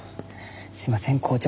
すいません紅茶